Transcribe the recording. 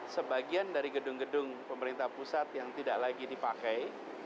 sebagian dari gedung gedung pemerintah pusat yang tidak lagi dipakai